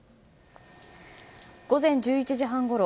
午前１１時半ごろ